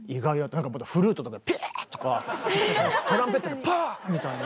なんかまたフルートとかピィーッとかトランペットでパァーッみたいな。